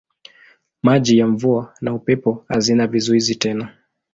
Maji ya mvua na upepo hazina vizuizi tena.